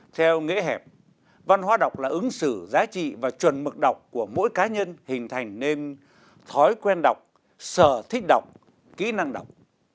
theo nghĩa hẹp văn hóa đọc là ứng xử giá trị và chuẩn mực đọc của mỗi cá nhân hình thành nên thói quen đọc sở thích đọc kỹ năng đọc